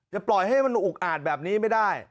ปล่อยให้มันอุกอาจแบบนี้ไม่ได้